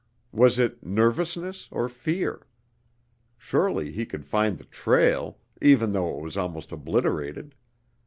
Was it nervousness, or fear? Surely he could find the trail, even though it was almost obliterated!